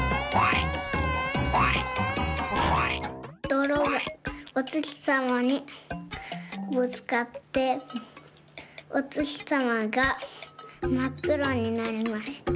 どろがおつきさまにぶつかっておつきさまがまっくろになりました。